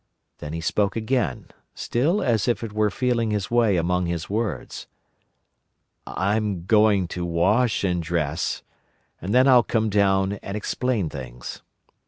Then he spoke again, still as it were feeling his way among his words. "I'm going to wash and dress, and then I'll come down and explain things....